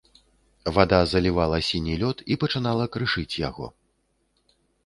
Вада залівала сіні лёд і пачынала крышыць яго.